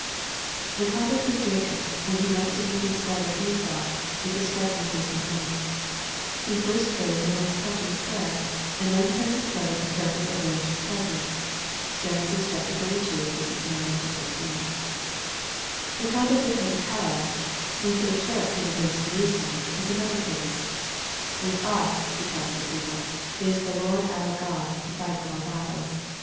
The conduct of Jacob, when he went to meet his brother Esau, is a striking case in point. He first prays a most touching prayer, and then sends his brother a carefully arranged present. (Gen. xxxii. 9 13.) The conduct of Hezekiah, when Sennacherib came against Jerusalem, is another case. " With us," he tells the people, " is the Lord our God, to fight our battles."